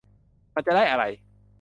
มันจะได้อะไร